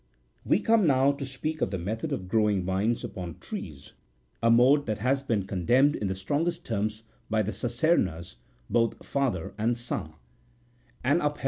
(23.) We come now to speak of the method of growing vines upon trees,52 a mode that has been condemned53 in the strongest terms by the Saserna's, both father and son, and up 50 A sort of clover, probably.